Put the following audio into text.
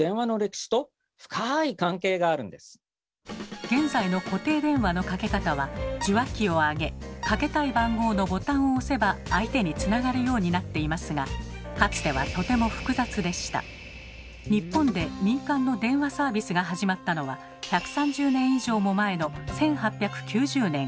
これは現在の固定電話のかけ方は受話器をあげかけたい番号のボタンを押せば相手につながるようになっていますが日本で民間の電話サービスが始まったのは１３０年以上も前の１８９０年。